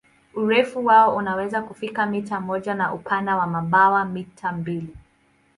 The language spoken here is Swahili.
Urefu wao unaweza kufika mita moja na upana wa mabawa mita mbili.